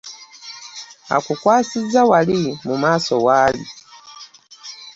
Akukwasiza wali mu maaso waali?